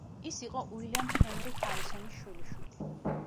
ის იყო უილიამ ჰენრი ჰარისონის შვილიშვილი.